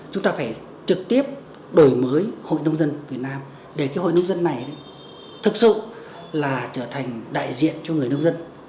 chúng ta phải trực tiếp đổi mới hội nông dân việt nam để cái hội nông dân này thực sự là trở thành đại diện cho người nông dân